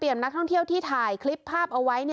นักท่องเที่ยวที่ถ่ายคลิปภาพเอาไว้